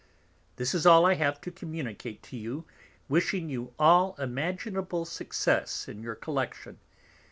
This is all I have to communicate to you, wishing you all imaginable Success in your Collection.